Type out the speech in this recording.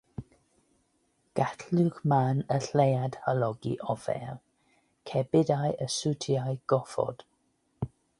Gall llwch mân y lleuad halogi offer, cerbydau a siwtiau gofod.